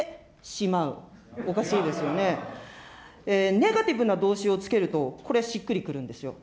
ネガティブな動詞を付けると、これはしっくりくるんですよ。